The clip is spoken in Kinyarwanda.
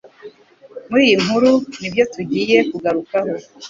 Muri iyi nkuru ni byo tugiye kugarukaho.